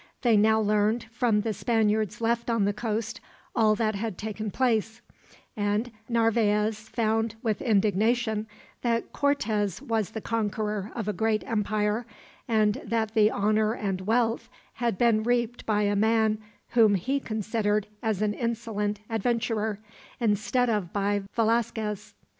They now learned, from the Spaniards left on the coast, all that had taken place; and Narvaez found, with indignation, that Cortez was the conqueror of a great empire, and that the honor and wealth had been reaped by a man whom he considered as an insolent adventurer, instead of by Velasquez.